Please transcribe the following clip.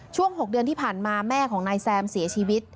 ช่วง๖เดือนที่ผ่านมาแม่ของนายแซมเสียชีวิต